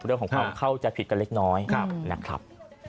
เรื่องของความเข้าใจผิดกันเล็กน้อยนะครับ